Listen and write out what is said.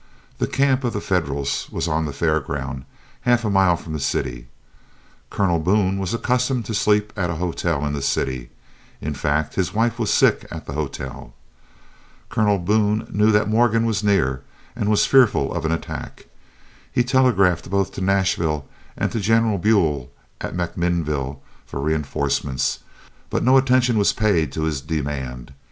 The camp of the Federals was on the fair ground, half a mile from the city. Colonel Boone was accustomed to sleep at a hotel in the city; in fact, his wife was sick at the hotel. Colonel Boone knew that Morgan was near, and was fearful of an attack. He telegraphed both to Nashville and to General Buell at MacMinnville for reinforcements, but no attention was paid to his demand.